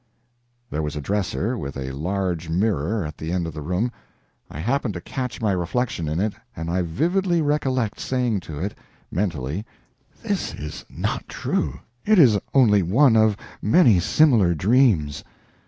There was a dresser, with a large mirror, at the end of the room. I happened to catch my reflection in it, and I vividly recollect saying to it, mentally "This is not true; it is only one of many similar dreams."